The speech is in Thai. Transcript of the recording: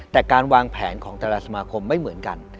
แต่การวางแผนของแต่ละสมาคมไม่เหมือนกัน